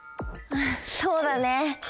そうだね。